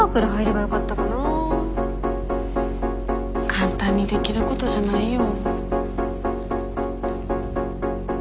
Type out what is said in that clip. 簡単にできることじゃないよ。